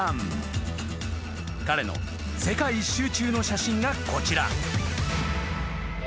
［彼の世界一周中の写真がこちら］